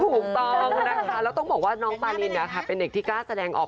ถูกต้องนะคะแล้วต้องบอกว่าน้องปารินเป็นเด็กที่กล้าแสดงออก